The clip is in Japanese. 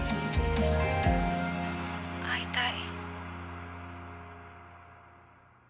会いたい。